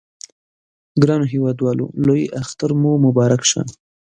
ګرانو هیوادوالو لوی اختر مو مبارک شه!